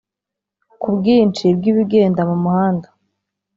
kubwinshi bw’ibigenda mumuhanda